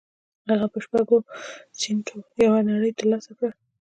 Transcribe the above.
هغه په شپږو سينټو یوه نړۍ تر لاسه کړه